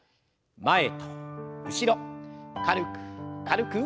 前と後ろ軽く軽く。